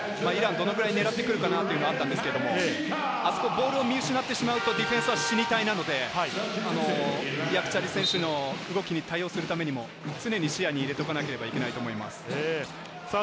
どのくらい狙ってくるかなというのはあったんですけど、ボールを見失ってしまうと、ディフェンスは死に体なので、ヤクチャリ選手の動きに対応するためにも常に試合に入れておかなければいけないと思います。